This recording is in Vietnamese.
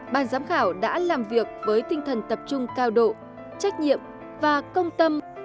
ban giám khảo đã làm việc với tinh thần tập trung cao độ trách nhiệm và công tâm